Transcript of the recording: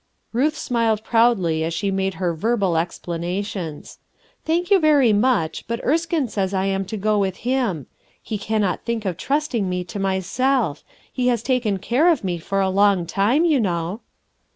Ruth smiled proudly as she made her verbal explanations. "Thank you very much, but Erskine says I am to go with him; he cannot think of trusting me to myself; he has taken care of me for a long time, you know."